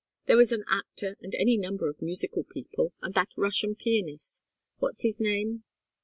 There was an actor and any number of musical people, and that Russian pianist what's his name?